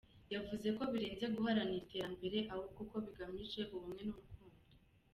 Yavuze ko birenze guharanira iterambere ahubwo ko bigamije ubumwe n’urukundo.